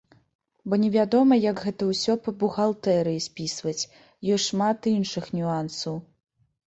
Бо невядома, як гэта ўсё па бухгалтэрыі спісваць, ёсць шмат іншых нюансаў.